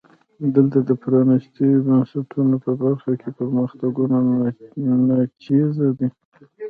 دلته د پرانیستو بنسټونو په برخه کې پرمختګونه ناچیزه دي.